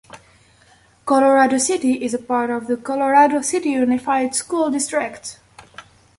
Colorado City is a part of the Colorado City Unified School District.